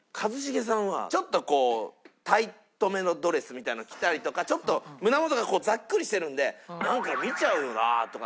ちょっとこうタイトめのドレスみたいなの着たりとかちょっと胸元がざっくりしてるんで「なんか見ちゃうな」とか。